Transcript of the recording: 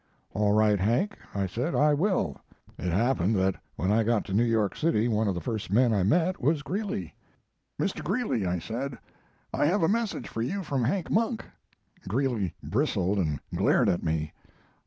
"All right, Hank," I said, "I will." It happened that when I got to New York City one of the first men I met was Greeley. "Mr. Greeley," said, "I have a message for you from Hank Monk." Greeley bristled and glared at me.